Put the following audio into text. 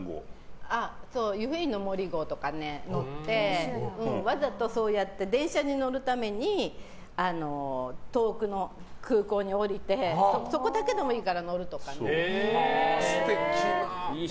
湯布院のとか乗ってわざと、電車に乗るために遠くの空港に降りてそこだけでもいいから乗るとかね。